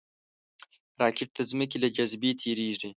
راکټ د ځمکې له جاذبې تېریږي